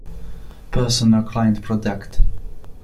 Personal Client product.